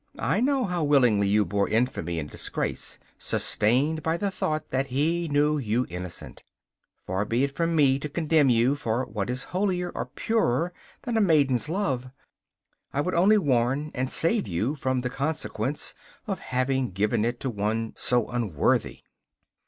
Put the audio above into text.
I know how willingly you bore infamy and disgrace, sustained by the thought that he knew you innocent. Far be it from me to condemn you, for what is holier or purer than a maiden's love? I would only warn and save you from the consequence of having given it to one so unworthy.